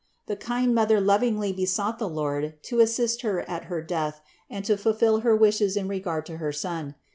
The kind Mother lovingly besought the Lord to assist her at her death and to fulfill her wishes in regard to her son.